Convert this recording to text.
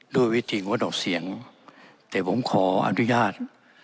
ด้วยวิธีงดออกเสียงแต่ผมขออนุญาต